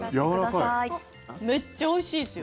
めっちゃおいしいですよ。